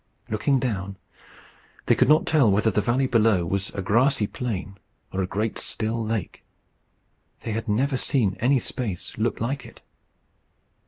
Looking down, they could not tell whether the valley below was a grassy plain or a great still lake. They had never seen any space look like it.